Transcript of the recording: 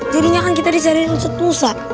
jadinya kan kita diserikan di pusat pusat